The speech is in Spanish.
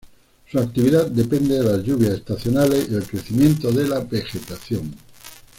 Su actividad depende de las lluvias estacionales y el crecimiento de la vegetación.